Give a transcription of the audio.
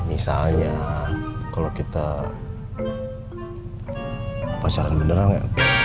misalnya kalau kita pacaran beneran ya